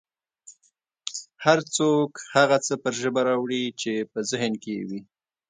هر څوک هغه څه پر ژبه راوړي چې په ذهن کې یې وي